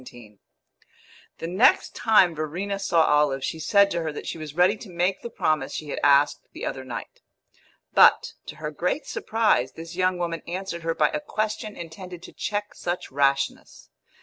XVII The next time Verena saw Olive she said to her that she was ready to make the promise she had asked the other night; but, to her great surprise, this young woman answered her by a question intended to check such rashness.